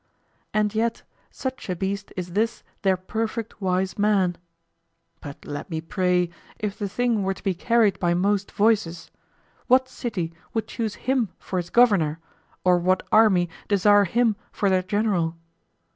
And yet such a beast is this their perfect wise man. But tell me pray, if the thing were to be carried by most voices, what city would choose him for its governor, or what army desire him for their general?